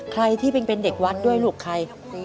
ใครที่เป็นเด็กวัดด้วยลูกใคร